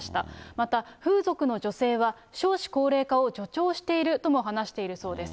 また風俗の女性は、少子高齢化を助長しているとも話しているそうです。